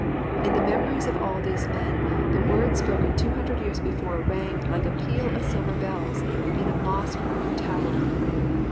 In the memories of all these men the word spoken two hundred years before rang like a peal of silver bells in a moss grown tower.